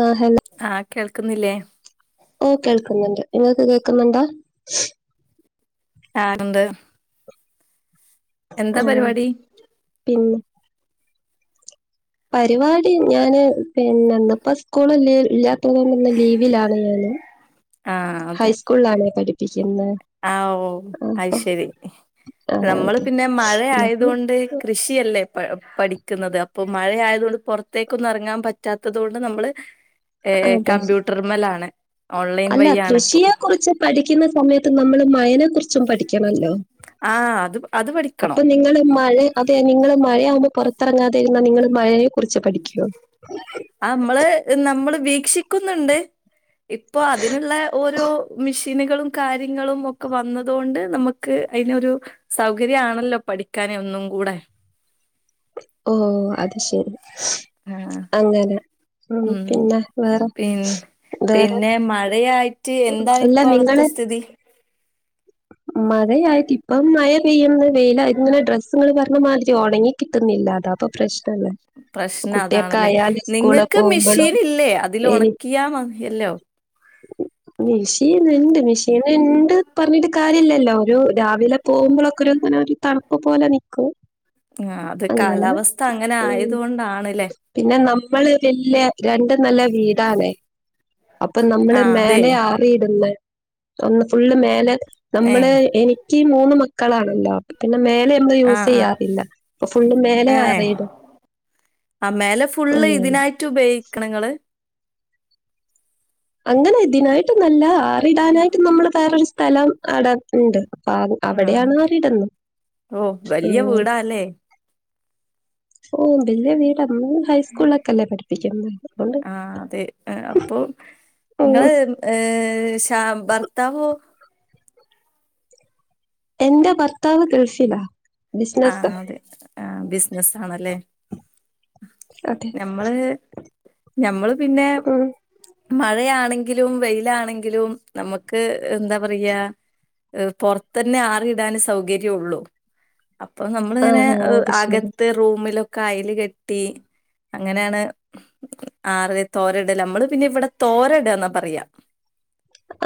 ആഹ് ഹല് ആഹ് കേൾക്കുന്നില്ലേ ഓ കേൾക്കുന്നുണ്ട് നിങ്ങൾക്ക് കേൾക്കുന്നുണ്ടോ ആ ണ്ട് ആഹ് പരിപാടി പിന്നെ പരിപാടി ഞാന് പിന്നെന്താ ഇപ്പ സ്കൂളല്ല ഇല്ലാത്തത് കൊണ്ടന്ന് ലീവിലാണ് ഞാനും ആഹ് അതെ പഠിപ്പിക്കുന്നത് ആഹ് ഉവ്വ് അത് അപ്പൊ ശരി ആഹ് നമ്മള് പിന്നെ മഴ പിന്നെപ്പോ ആയതുകൊണ്ട് കൃഷിയല്ലേ പ പഠിക്കുന്നത് അപ്പൊ മഴയായതുകൊണ്ട് പൊറത്തേക്കൊന്നും എറങ്ങാൻ പറ്റാത്തതു കൊണ്ട് നമ്മൾ ഏ അതെ കമ്പ്യൂട്ടർമലാണ് ഓൺലൈൻ അല്ല വഴിയാണ് ഇപ്പോ കൃഷിയെ കുറിച്ച് പഠിക്കുന്ന സമയത്ത് നമ്മള് മയനെ കുറിച്ച് ച്ചും പഠിക്കണല്ലോ ആഹ് അത് അത് അപ്പൊ പഠിക്കണം നിങ്ങള് മഴ അതെ നിങ്ങള് മഴയാവുമ്പോ പൊറത്തിറങ്ങാതെ ഇരുന്നാ നിങ്ങള് മഴയെ കുറിച്ച് പഠിക്കുവോ നമ്മള് നമ്മള് വീക്ഷിക്കുന്നുണ്ട് ഇപ്പൊ അതിനുള്ള ഓരോ മിഷ് നുകളും കാര്യങ്ങളും ഒക്കെ വന്നതൊണ്ട് നമുക്ക് അയിനൊരു സൗകര്യ ആണല്ലോ പഠിക്കാനെ ഒന്നും കൂടെ ഓ അത് ശരി ആ, അങ്ങനെ ഉം പിന്നെ വേറെ പിൻ വേറെ പിന്നെ മഴയായിട്ട് എന്താണ് അല്ല ഇപ്പ നിങ്ങള് അവിടുത്തെ സ്ഥിതി മഴയായിട്ട് ഇപ്പം മഴ പെയ്യുന്ന വെയിൽ ആയി ഇങ്ങനെ ഡ്രസ്സങ്ങൾ പറഞ്ഞ മാതിരി ഒണങ്ങി കിട്ടുന്നില്ലാതാപ്പൊ പ്രശ്നല്ലേ പ്രശ്നം കുട്ടിയൊക്കെ അതാണല്ലേ ആയാല് സ്കൂള് നിങ്ങൾക്ക് പോകുമ്പളും മെഷീൻ ഇല്ലേ അതിൽ ഒണക്കിയാ മതിയല്ലോ മെഷീൻ ഇണ്ട് മെഷീൻണ്ട് പറഞ്ഞിട്ട് കാര്യല്ലല്ലോ ഒരു രാവിലെ പോകുമ്പോളൊക്കെ ഒരുങ്ങനെ ഒരു തണുപ്പ് പോലെ നിക്കും ആഹ് അത് അങ്ങനെ കാലാവസ്ഥ അങ്ങനെ ഉം ആയത് കൊണ്ടാണല്ലേ പിന്നെ നമ്മള് വല്യ രണ്ടു നെല വീടാണ് അപ്പൊ നമ്മള് ആഹ് അതെ മേലെ ആവിയിടന്ന് ഒന്ന് ഫുള്ള് മേലെ നമ്മള് ഏഹ് എനിക്ക് മൂന്ന് മക്കളാണല്ലോ പിന്നെ മേലെ മ്മൾ യൂസ് ആഹ് ചെയ്യാറില്ല ഫുള്ള് മേലെ ആറിയിടും ആഹ് മേലെ ഫുള്ള് അങ്ങനെ ഇതിനായിട്ട് ഉപയോഗിക്കണങ്ങള് അങ്ങനെ ഇതിനായിട്ട്ന്നല്ല ആറിടാനായിട്ട് നമ്മള് വേറൊരു സ്ഥലം അവടെ ഇണ്ട് അപ്പ ആഹ് അവിടെയാണ് ആറിടുന്നു ഓഹ് വലിയ ഉം വീടാല്ലേ ഓ വല്യ വീട [unintelligible] ഹൈസ്കൂളൊക്കല്ലേ പഠിപ്പിക്കുന്നത് അതോണ്ട് അപ്പൊ നിങ്ങള് ഏ ശ ഭർത്താവോ എന്റെ ഭർത്താവ് ഗൾഫിലാ ബിസിനസ്സാ. ആഹ് അതെ ആഹ് ബിസിനസ് ആണല്ലേ അതെ. ഞമ്മള് ഞമ്മള് പിന്നെ ഉം മഴയാണെങ്കിലും വെയിലാണെങ്കിലും നമുക്ക് എന്താ പറയാ പൊറത്തന്നെ ആറി ഇടാൻ സൗകര്യ ഉള്ളൂ അപ്പൊ നമ്മളിങ്ങനെ ആഹ് ആഹ് അത് ആക ശരി. ത്തെ റൂമിലൊക്കെ അയൽ കെട്ടി അങ്ങനെയാണ് ആറ തോരടൽ നമ്മള് പിന്നെ ഇവിടെ തോരടന്നാ പറയാ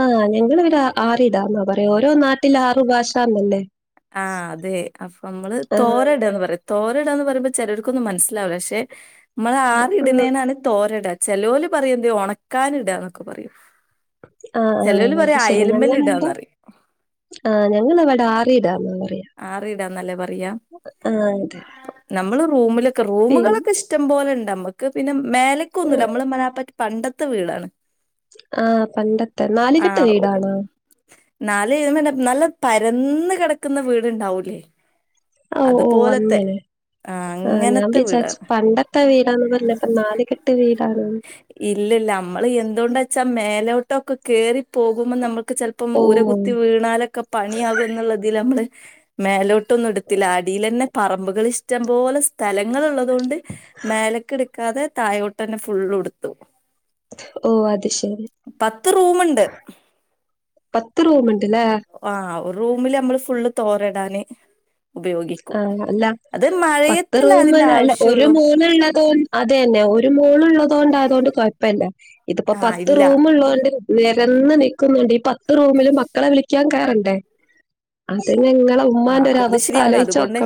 ആഹ് ഞങ്ങൾ ഇവിര് ആറിടാന്നാ പറയാ ഓരോ നാട്ടില ആറു ഭാഷന്നല്ലേ ആഹ് അതെ അപ്പൊ നമ്മള് തോരടന്ന് പറയും തോരടാ എന്ന് പറയുമ്പോൾ ചെലർക്കൊന്നും മനസ്സിലാവില്ല ക്ഷെ നമ്മൾ ആറി ഉം ഇടുന്നേനാണ് തോരടാൻ ചേലോര് പറയുന്നേ ഒണക്കാനിടാ എന്നൊക്കെ പറയും ആഹ് ചേലോല് ആഹ് അത് പറയാ ശരി. അയലമേൽ ഇടാന്ന് ഞങ്ങളവിടെ പറയും ആഹ് ഞങ്ങളിവിടെ ആറിടാ എന്ന പറയാ ആറിടാന്നല്ലേ പറയാ ആഹ് അതെ നമ്മള് റൂമിലൊക്കെ പിൻ റൂമുകളൊക്കെഷ് ടം പോലെണ്ട് നമ്മുക്ക് പിന്നെ മേലക്കൊന്നുല്ല നമ്മള് മനാപ്പറ്റ പണ്ടത്തെ വീടാണ് ആ പണ്ടത്തെ ആ നാലുകെട്ട വീടാണോ നാല് [unintelligible] നല്ല പരന്ന കിടക്കുന്ന വീട്ണ്ടാവൂല് അതുപോലത്തെ ആഹ് ഞാൻ അങ്ങനത്തെ വിചാരിച്ച് വീടാണ് പണ്ടത്തെ വീടാന്ന് പറഞ്ഞപ്പൊ നാലിക്കെട്ട് വീടാണ് ഇല്ലല്ല നമ്മള് എന്തുകൊണ്ട ച്ചാൽ മേലോട്ടൊക്കെ കേറി പോകുമ്പോൾ നമ്മുക്ക് ചെലപ്പ ഇപ്പം ഓ ഊര കുത്തി വീണാലൊക്കെ പണിയാകും എന്നുള്ളതിൽ നമ്മള് മേലോട്ടൊന്നും എടുത്തില്ല അടിൽ തന്നെ പറമ്പുകൾ ഇഷ്ടം പോലെ സ്ഥലങ്ങ ഉള്ളതുകൊണ്ട് മേലേക്ക് എടുക്കാതെ തായോട്ട് തന്നെ ഫുള്ളു ഉടുത്തു ഓ അത് ശരി പത്ത് റൂമുണ്ട് പത്ത് റൂം ഉണ്ടല്ലേ ആഹ് റൂമില് നമ്മള് ഫുള്ള് തോറിടാന് ആഹ് അല്ല പത്ത് മഴയത്തല്ല റൂമ് അതിന്റെ അല്ല ഒരു ആവശ്യള്ളൂ മൂന്ന് ഉള്ളതോ അതെ ന്നെ ഒരു മോൾ ഉള്ളത ണ്ട ആയതൊണ്ട് കൊഴപ്പല്ല ഇതിപ്പോ ആ പത്ത് ഇല്ല റൂം ഉള്ള കൊണ്ട് നരന്ന് നിൽക്കുന്നുണ്ട് ഈ പത്ത് റൂമിൽ മക്കളെ വിളിക്കാൻ കയറണ്ടേ അതെങ്ങനെ ആഹ് അത് ഇച്ചിരി പാടാ അതുകൊണ്ട്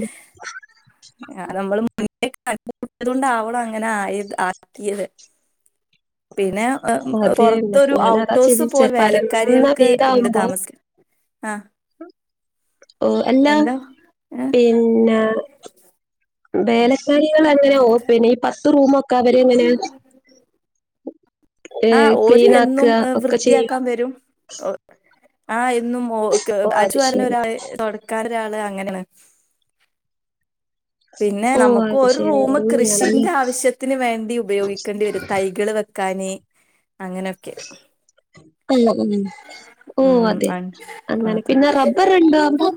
ആഹ് നമ്മളും മുന്ന കണ്ട് മുട്ടിയത് കൊണ്ട ആവണം അങ്ങനെ ആയി ആക്കിയത് പിന്നെ അതന്നെ പൊറത്തൊരു ഞാനതാ ഔട്ട്ഹൗസ് ചിന്തിച്ചേ പോലെ പരന്ന വേലക്കാരികൾക്ക് ഉണ്ട് വീടാവുമ്പോ താമസിക്കന് ആഹ് ഓഹ് അല്ലാ പിന്നെ വേലക്കാരികളെങ്ങനെയോ പിന്നെ ഈ പത്ത് റൂമക്കെ ക്ക അവരങ്ങനെ ആഹ് ഓര് എന്നും ചെയ്യോ വൃത്തിയാക്കാൻ വരും ആ എന്നും ഓ അത് അടിച്ചുവരൻ ശരി ഒരാൾ തൊടക്കാൻ ഒരാള് അങ്ങനെണ്. പിന്നെ ഓ നമുക്ക് അത് ഒരു ശരി റൂമ് അങ്ങനെയാണല്ലേ കൃഷിന്റെ ആവശ്യത്തിന് വേണ്ടി ഉപയോഗിക്കേണ്ടി വരും തൈകള് വെക്കാന് അങ്ങനൊക്കെ [unintelligible] ഓഹ് ഉം അതെ അൻ അങ്ങനെ പിന്നെ റബ്ബറുണ്ടോവിടെ?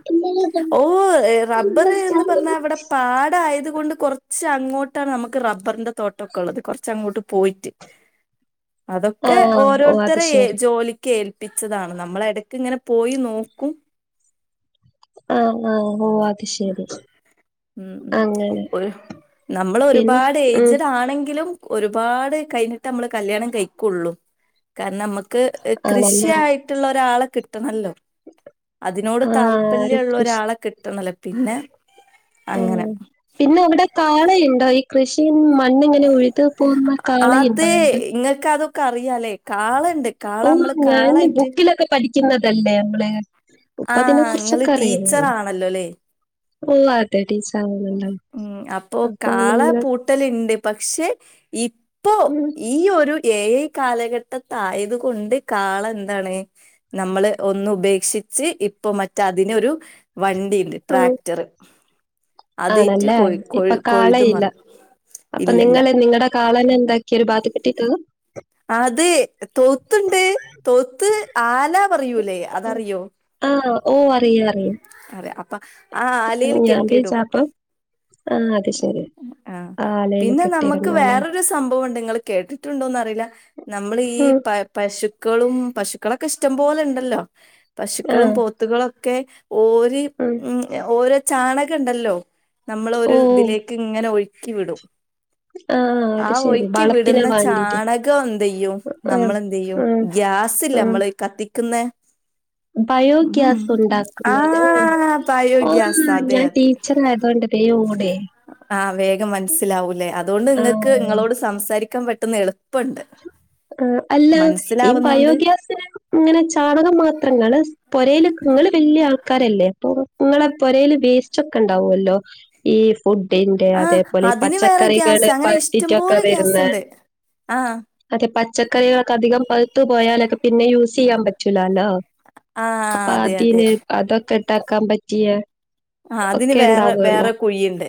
ഓഹ് റബ്ബറ്ന്ന് പറഞ്ഞാ വിടെ പാടയത് കൊണ്ട് കൊറച്ച് അങ്ങോട്ടാണ് നമുക്ക് റബ്ബറിന്റെ തോട്ടൊക്കെ ഒള്ളത് കുറച്ചങ്ങോട്ട് പോയിട്ട് [inaudible] അതൊക്കെ ആഹ് ഓ അത് ഓരോരുത്തരെ ശരി ജോലി ഏൽപ്പിച്ചതാണ് നമ്മള എടയ്ക്ക് ഇങ്ങനെ പോയി നോക്കും ആഹ് ആഹ് ഓഹ് അത് ശരി ഉം അങ്ങനെ ഒരു നമ്മള് പിന്നെ ഒരുപാട് ഉം ഏയിജിഡ് ആണെങ്കിലും ഒരുപാട് കഴിഞ്ഞിട്ടമ്മള് കല്യാണം കഴിക്കൊള്ളൂ കാരണം നമ്മക്ക് ആണല്ലേ കൃഷിയായിട്ടുള്ള ഒരാളെ കിട്ടണല്ലോ അതിനോട് ആഹ് ഒരു താല്പര്യള്ള കൃഷി ഒരാളെ കിട്ടണല്ലേ പിന്നെ അങ്ങനെ ആഹ് പിന്നെ അവിടെ കാളയുണ്ടോ ഈ കൃഷിയിന്ന് മണ്ണിങ്ങനെ ഒഴുതു പോകുന്ന കാളയുണ്ടോ അവടെ? ങ്ങൾക്കതും കറിയാലേ കാളണ്ട് കാള ഓഹ് നമ്മള് ഞാനീ കാളായിട്ട് ബുക്കിലൊക്കെ പഠിക്കുന്നതല്ലേ നമ്മള് അപ്പൊ അതിനെ ആഹ് ഇങ്ങള് കുറിച്ചൊക്കെ അറിയ ടീച്ചറാണല്ലോല്ലേ ഓഹ് അതെ ടീച്ചരാണ് ഉം അപ്പൊ കാള പൂട്ടലുണ്ട് പക്ഷെ ഇപ്പോ ഉം, ഈ ഒരു ഏ ഐ കാലഘട്ടത്തായത് കൊണ്ട് കാള എന്താണ് നമ്മള് ഒന്ന് ഉപേക്ഷിച്ച് ഇപ്പൊ മറ്റേ അതിനൊരു വണ്ടിണ്ട് ഉം. ട്രാക്ടർ ആണല്ലേ കൊഴ് ഇപ്പൊ കൊഴുതു കാളയില്ല മറിയും അപ്പൊ ഇല്ലല്ല നിങ്ങള് നിങ്ങടെ കാളന്നെ ന്താക്കിയൊരു ബാത്ത് കെട്ടിയിട്ടു അതെ തൊഴുത്തുണ്ട് തൊഴുത്ത് ആല പറയൂലേ അതറിയോ ആഹ് ഓഹ് അറിയ അറിയാം അതെ അപ്പൊ ആ ആലയിൽ ഞാൻ കെട്ടിയിടും വിചാപ്പം ആ അത് ശെരി ആഹ് അഹ് പിന്നെ നമുക്ക് വേറരു സംഭവണ്ട് നിങ്ങള് കേട്ടിട്ടുണ്ടോന്ന് അറിയില്ല നമ്മൾ ഈ ഉം, പശുക്കളും പശുക്കളൊക്കെ ഇഷ്ട്ടംപോലെ ണ്ടല്ലോ ആ പശുക്കളും പോത്ത് ത്തുകളൊക്കെ ഓല് ഉം ഓലെ ചാണകണ്ടല്ലോ ഓ നമ്മളരുതിലേക്ക് ഇങ്ങനെ ഒഴുക്കി വിടും ആഹ് ആ ഒഴുക്കി വിടുന്ന ചാണകം എന്തയ്യും ആ നമ്മളെന്തയ്യും ഉം, ഗ്യാസ്സ്ല്ലേ ഉം. നമ്മള് കത്തിക്കുന്ന ബയോഗ്യാസ് ഉണ്ടാക്കുന്ന ആഹ് ആഹ് ബയോഗ്യാസ് അതെ ഞാൻ അതെ ടീച്ചറയതൊണ്ട് [unintelligible] ഓടെ ആഹ് വേഗം മനസ്സിലാവൂല്ലേ അതുകൊണ്ട് ആ ങ്ങക്ക് ങ്ങളോട് സംസാരിക്കാൻ പെട്ടന്ന് എളു ആഹ് അല്ല ഈ മനസ്സിലാവുന്നോണ്ട് ബയോഗ്യാസിന് ഇങ്ങനെ ചാണകം മാത്രങ്ങ പൊരെൽ നിങ്ങള് വല്യ ആൾക്കാരല്ലേ അപ്പൊ നിങ്ങളെ പോരെൽ വേസ്റ്റ് ഒക്കെ ഉണ്ടാവുല്ലോ ഈ ഫുഡിന്റെ ആഹ് അതേപോലെ ഈ അതിന് വേറെ ഗ്യാസ് പച്ചക്കറികള് അങ്ങനെ ഇഷ്ടം പഴിത്തിറ്റൊക്കെ പോലെ വരുന്നെ ഗ്യാസ്ണ്ട് ആഹ് അതെ പച്ചക്കറികളോക്കെ അധികം പഴുത്തു പോയാലൊക്കെ പിന്നേം യൂസെയ്യാൻ പറ്റൂലല്ലോ ആഹ് അപ്പ അതെ അതെ അതിന് അതൊക്കെ ഇട്ടക്കാൻ പറ്റിയ ആഹ് അതിന് ഒക്കെ വേറെ ഉണ്ടാവുമല്ലോ വേറെ കുഴിയിണ്ട്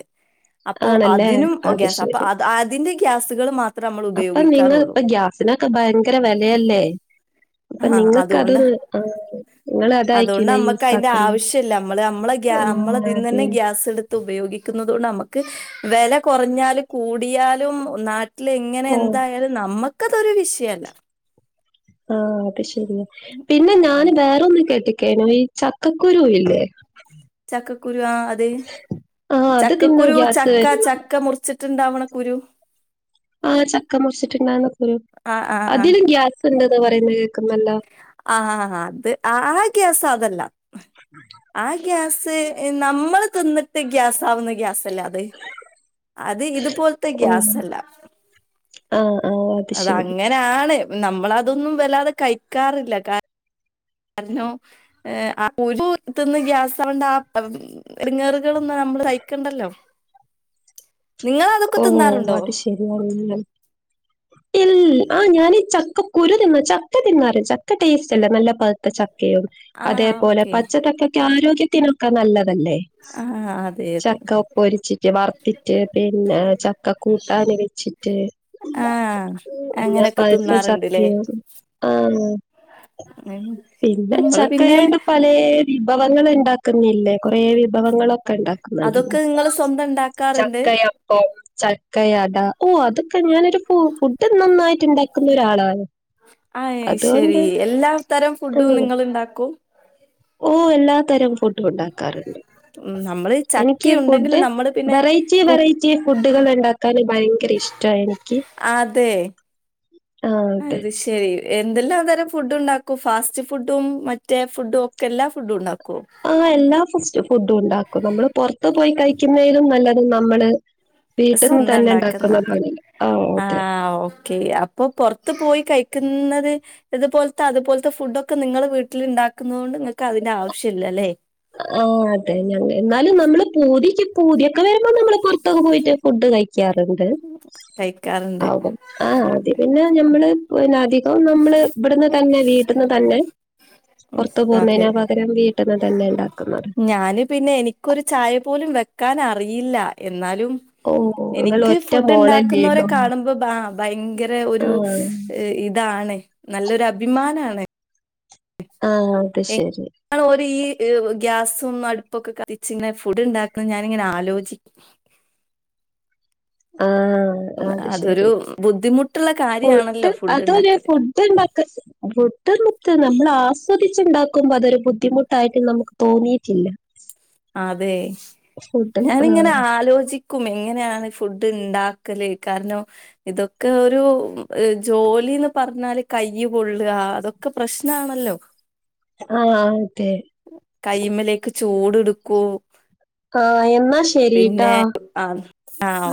അപ്പോ ആണല്ലേ അതിനും അത് ഗ്യാസ അപ്പ ശരി അതിന്റെ ഗ്യാസ്കൾ മാത്രമ്മൾ ഉപയോഗിക്ക ഇങ്ങളിപ്പ ഗ്യാസിനൊക്കെ ഭയങ്കര വെലയല്ലേ അപ്പൊ ആഹ് അതുകൊണ്ട് നിങ്ങക്ക്തൊന്ന് ആ അതുകൊണ്ട് ഇങ്ങളതായിരിക്കൂലേ നമ്മക്ക് യൂസ് അതിന്റെ ആക്കുന്നെ ആവശ്യമില്ല നമ്മള് ആഹ് അതെ ത് ഉപയോഗിക്കുന്നുന്നത്കോണ്ട് നമ്മക്ക് വേല കുറഞ്ഞാലും കൂടിയാലും നാ ട്ടില് എങ്ങനെ ഓ എന്തായാലും നമ്മക്കതൊരു വിഷയല്ല ആഹ് അത് ശരിയ പിന്നെ ഞൻ വേറൊന്ന് കെട്ട്ക്കെനു ഈ ചക്കക്കുരുലില്ലേ ചക്കക്കുരു ആ അതെ ആ അത് തിന്നാ ചക്കക്കുരു ഗ്യാസ് ചക്ക വരും ചക്ക മുറിച്ച് റ്റ് ണ്ടാവണെ കുരു ആഹ് ചക്ക മുറിച്ചിറ്റ്ണ്ടാകുന്നൊ കുരു ആ ആ അതിലും ഗ്യാസ് ഉണ്ട്ന്ന് പറയുന്നെ കേൾക്ക് നല്ലോ ആഹാ അത് ആ ഗ്യാസതല്ല ആ ഗ്യാസ് നമ്മള് തിന്നിട്ട് ഗ്യാസാവുന്ന ഗ്യാസല്ലേ അത് ഇതുപോലത്തെ ഗ്യാസല്ലാ ആഹ് ആഹ് അത് ശരി ആണ് നമ്മളതൊന്നും വല്ലതെ കഴിക്കാറില്ല കാ രണം എ ആഹ് കുരു തിന്ന് ഗ്യാസ് ആവണ്ടാ എടങ്ങേറുകളോന്നും നമ്മള് സയ്ക്കണ്ടല്ലോ ഓ വത് ശരിയ ഇൽ ആ ഞാനീ ചക്ക കുരു തിന്നാ ചക്ക തിന്നാറിണ്ട് ചക്ക ടേസ്റ്റ് അല്ലെ നല്ല പഴുത്ത ചക്കയും ആഹ് അതേപോലെ ഓക്കെ പച്ചചക്കക്കെ ആരോഗ്യത്തിനൊക്കെ നല്ലതല്ലേ ആഹ് അതെ അതെ ചക്ക പ്പൊരിച്ചിട്ട് വറുത്തിട്ട് പെ പിന്നെ ചക്ക കൂട്ടാന് വെച്ചിട്ട് ആഹ് പിന്നെ അങ്ങനൊക്കെ തിന്നാറുണ്ട്ല്ലേ പഴുത്തചക്കയും ആഹ് ഉം പിന്നെ നമ്മള് പിന്നെ ചക്കയൊണ്ട് പലെ വിഭവങ്ങൾ ഉണ്ടാക്കുന്നില്ലേ കൊറെ വിഭവങ്ങളൊക്കെ ണ്ടാക്കുന്നുണ്ടല്ലോ അതൊക്കെ നിങ്ങള് സ്വന്തം ഉണ്ടാക്കാറുണ്ട് ചക്കയപ്പം ചക്ക അട ഓഹ് അതൊക്കെ ഞാനൊരു ഫു ഫുഡ് നന്നായിട്ട് ഉണ്ടാക്കുന്നോരാളാണ് അയിശരി എല്ലാ തരം ഫുഡും നിങ്ങള്ണ്ടാക്കും ഓഹ് എല്ലാ തരം ഫുഡും ഉണ്ടാക്കാറുണ്ട് ഉം നമ്മള് എനിക്ക് ഫുഡ് ചക്കയുണ്ടെങ്കിലും നമ്മള് പിന്നെ വെറൈറ്റി കു വെറൈറ്റി ഫുഡുകൾണ്ടാക്ക ന് ഭയങ്കര ഇഷ്ട എനിക്ക് ആതെ ആഹ് അതെ ശരി എന്തെല്ലാം തരം ഫുഡ് ഉണ്ടാക്കും ഫാസ്റ്റ് ഫുഡും മറ്റേ ഫുഡും ഒക്കെ എല്ലാ ഫുഡും ഉണ്ടാക്കോ ആ എല്ലാ ഫസ്റ്റ് ഫുഡും ഉണ്ടാക്കും നമ്മള് പുറത്ത് പോയി കഴിക്കുന്നയിലും നല്ലത് നമ്മള് വീട്ടിന്ന് തന്നെ ഉണ്ടാക്കുന്ന ആ അതെ ആഹ് ഒ ക്കെ അപ്പൊ പോറത്ത് പോയി കഴിക്കുന്നത് ഇതുപോലത്തെ അതുപോലത്തെ ഫുഡൊക്കെ നിങ്ങള് വീട്ടിൽ ണ്ടാക്കുന്നത് കൊണ്ട് ഇങ്ങക്ക് അതിന്റെ ആവശ്യല്ലല്ലേ ആ അതെ ഞ എന്നാലും നമ്മള് പൂതിക്ക് പൂതിയൊക്കെ വരുമ്പോൾ നമ്മള് പുറത്തൊക്കെ പോയിട്ട് ഫുഡ് കഴി ക്കാറുണ്ട് കഴിക്കാറുണ്ട്. ആപ്പോം ആഹ് അത് പിന്നെ ഞമ്മള് പിന്നെ അധികം നമ്മള് ഇബ്ട്ന്ന് തന്നെ വീട്ട്ന്ന് തന്നെ ഉം പോർത്ത് അതെ. പോവുന്നതിന പകരം വീട്ട്ന്ന് തന്നെ ഇണ്ടാക്കുന്ന ഞാന് പിന്നെ എനിക്കൊരു ചായ പോലും വെക്കാനറിയില്ല എന്നാലും ഓഹ് നിങ്ങൾ എനിക്ക് ഒറ്റ ഫുഡ് മോളല്ലേ ഉണ്ടാക്കുന്നോരെ ഉള്ളൂ കാണുമ്പോ ബാ ഭയങ്കര ഒരു ആഹ് ഇതാണ് നല്ലൊരു അഭിമാനാണ്. ആഹ് അത് ശെരി ള് ഓരി ഗ്യാസും അടുപ്പുംക്കെ കത്തിച്ച്ങ്ങനെ ഫുഡ്ണ്ടാക്കുന്ന ഞാനിങ്ങനെ ആലോചിക്ക. ആഹ് അത് അതൊരു ശെരി ബുദ്ധിമുട്ടുള്ള കാര്യമാണല്ലോ ഫുഡ് അതൊര് ഉണ്ടാക്കല്. ഫു ഡ്ഡു ണ്ടാക്ക ഫുഡ്ഡ്ണ്ടാക്ക നമ്മൾ ആസ്വദിച്ചുണ്ടാക്കുമ്പോ അതൊരു ബുദ്ധിമുട്ടായിട്ട് നമുക്ക്. തോന്നീട്ടില്ല. അതെ ഫുഡ് ആ ഞാനിങ്ങനെ ആലോചി ക്കും എങ്ങനെയാണ് ഫുഡ് ണ്ടാക്കല് കാരണം. ഇതൊക്കെ ഒരു ജോലിന്ന് പറഞ്ഞാല് കൈ പൊള്ളാ അതൊക്കെ പ്രശ്നാണല്ലോ. ആഹ് അതെ. ചൂടട്ക്കൂ. ആഹ് എന്നാ ശെരിട്ടാ. ആ ആ